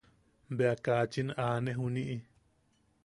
Bea kachin aʼane juniʼi.